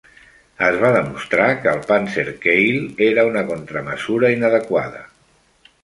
Es va demostrar que el panzerkeil era una contramesura inadequada.